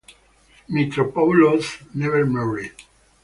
Mitropoulos never married.